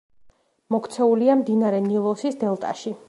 მოქცეულია მდინარე ნილოსის დელტაში.